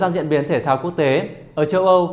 diễn biến thể thao quốc tế ở châu âu